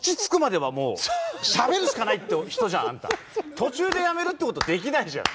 途中でやめるってことはできないじゃん。